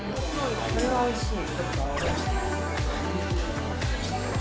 これはおいしい。